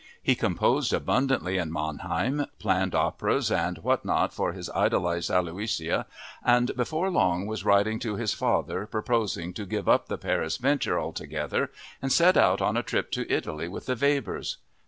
He composed abundantly in Mannheim, planned operas and what not for his idolized Aloysia, and before long was writing to his father proposing to give up the Paris venture altogether and set out on a trip to Italy with the Webers.